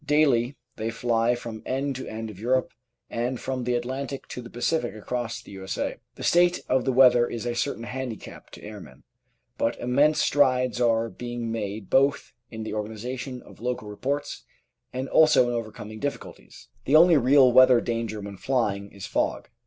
Daily they fly from end to end of Europe and from the Atlantic to the Pacific across the U.S.A. The state of the weather is a certain handicap to airmen, but immense strides are being made both in the organisation of local reports and also in overcoming difficulties. The only real weather danger when flying is fog.